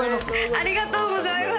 ありがとうございます。